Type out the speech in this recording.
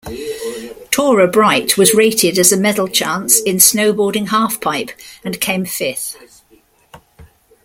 Torah Bright was rated as a medal chance in snowboarding half-pipe, and came fifth.